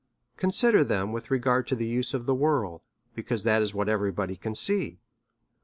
Consider them with regard to the use of the world, because that is what every body can see.